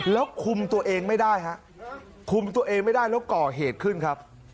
แล้วคุมตัวเองไม่ได้ฮะคุมตัวเองไม่ได้แล้วก่อเหตุขึ้นครับ